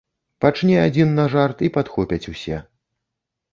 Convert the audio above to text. Пачне адзін на жарт, і падхопяць усе.